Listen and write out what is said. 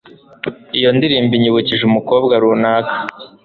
Iyo ndirimbo inyibukije umukobwa runaka.